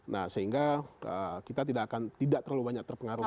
nah sehingga kita tidak akan tidak terlalu banyak terpengaruh